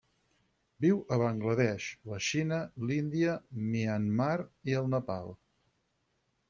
Viu a Bangla Desh, la Xina, l'Índia, Myanmar i el Nepal.